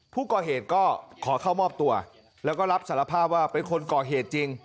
ผู้ก่อเหตุก็ขอเข้ามอบตัวแล้วก็รับสารภาพว่าเป็นคนก่อเหตุจริง